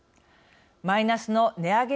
マイナスの値上げ